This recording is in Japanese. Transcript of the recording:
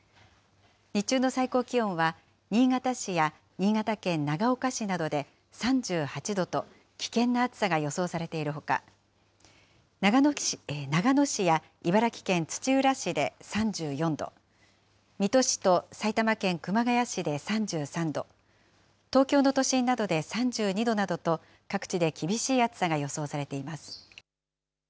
日中の最高気温は、新潟市や新潟県長岡市などで３８度と、危険な暑さが予想されているほか、長野市や茨城県土浦市で３４度、水戸市と埼玉県熊谷市で３３度、東京の都心などで３２度などと、各地で厳しい暑さが予想されています。